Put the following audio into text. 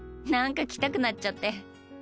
何か来たくなっちゃって。